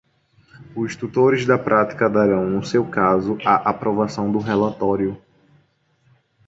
Os tutores da prática darão, no seu caso, a aprovação do relatório.